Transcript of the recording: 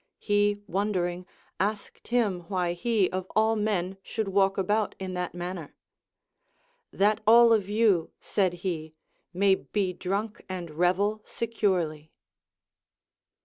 He wondering asked him why he of all men should walk about in that manner. That all of you, said he, may be drunk and revel secure!}•.